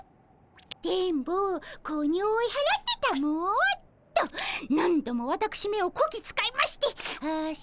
「電ボ子鬼を追い払ってたも」。と何度もわたくしめをこき使いましてあしんど。